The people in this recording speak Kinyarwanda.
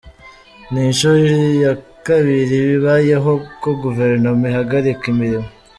Ni inshuro ya kabiri bibayeho ko Guverinoma ihagarika imirimo.